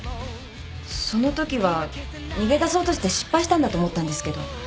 そのときは逃げ出そうとして失敗したんだと思ったんですけど。